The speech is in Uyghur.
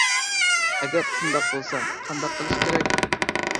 ئەگەر شۇنداق بولسا قانداق قىلىش كېرەك؟